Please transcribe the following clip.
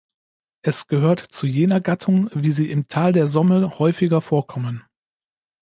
Es gehört zu jener Gattung, wie sie im Tal der Somme häufiger vorkommen.